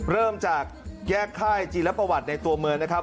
เริ่มจากแยกค่ายจีรประวัติในตัวเมืองนะครับ